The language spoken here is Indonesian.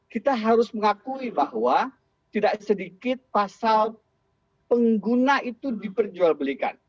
kita harus mengakui bahwa tidak sedikit pasal pengguna itu diperjualbelikan